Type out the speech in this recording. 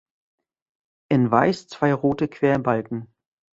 In Weiß zwei rote Querbalken.